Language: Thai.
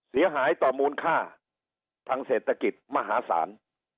เสียหายต่อมูลค่าทางเศรษฐกิจมหาศาล